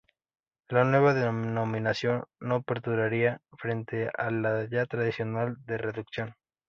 La nueva denominación no perduraría frente a la ya tradicional de "Reducción".